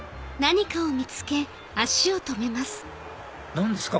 何ですか？